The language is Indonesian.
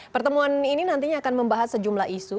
pertemuan ini nantinya akan membahas sejumlah isu